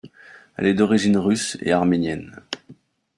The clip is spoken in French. Elle est d'origine russe et arménienne.